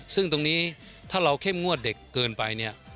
ซึ่งตรงนี้ถ้าเราเข้มงวดเด็กเกินไปเนี่ย